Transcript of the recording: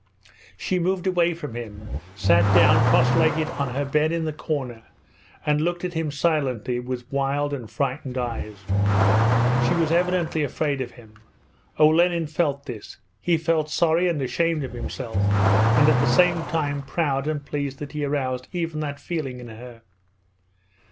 She moved away from him, sat down cross legged on her bed in the corner, and looked at him silently with wild and frightened eyes. She was evidently afraid of him. Olenin felt this. He felt sorry and ashamed of himself, and at the same time proud and pleased that he aroused even that feeling in her.